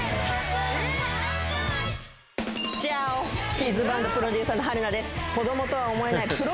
キッズバンドプロデューサーの春菜です。